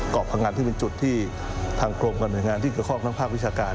เกาะพังานที่เป็นจุดที่ทางโครงการจัดวางที่เกี่ยวกับทางภาพวิชาการ